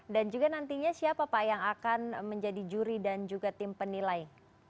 dan juga nantinya siapa pak yang akan menjadi juri dan juga tim penilai